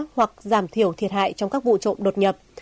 hoặc giảm thiểu thiệt hại trong các vụ trộm đột nhập